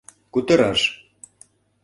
Кутыраш.